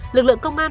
lực lượng công an